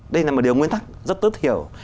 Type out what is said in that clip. đây là một điều nguyên tắc rất tốt hiểu